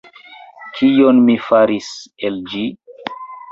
Kion mi faris el ĝi?